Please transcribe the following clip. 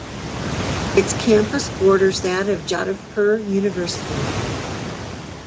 Its campus borders that of Jadavpur University.